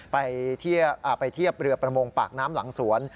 ไปเทียบเรือประมงปากน้ำหลังสวน